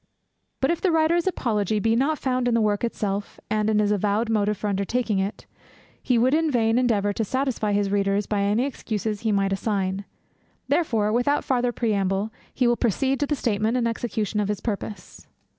But if the writer's apology be not found in the work itself, and in his avowed motive for undertaking it, he would in vain endeavour to satisfy his readers by any excuses he might assign; therefore, without farther preamble, he will proceed to the statement and execution of his purpose.